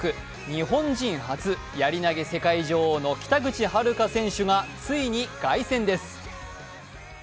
日本人初、やり投げ世界女王の北口榛花選手がついに凱旋です。